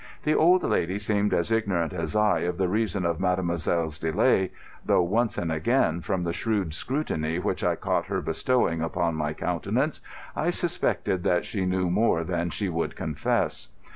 The old lady seemed as ignorant as I of the reason of mademoiselle's delay, though once and again, from the shrewd scrutiny which I caught her bestowing upon my countenance, I suspected that she knew more than she would confess.